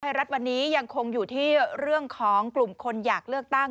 รัฐวันนี้ยังคงอยู่ที่เรื่องของกลุ่มคนอยากเลือกตั้ง